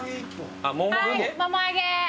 はいもも揚げ。